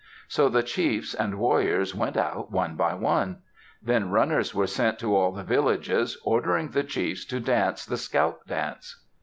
So the chiefs and warriors went out, one by one. Then runners were sent to all the villages, ordering the chiefs to dance the scalp dance.